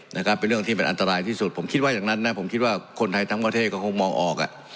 นะครับเป็นเรื่องที่มันอันตรายที่สุดผมคิดว่าอย่างนั้นนะผมคิดว่าคนไทยทั้งประเทศก็คงมองออกอ่ะ